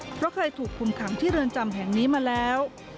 เพราะเคยถูกคุมขังที่เรือนจำแห่งนี้มาแล้ว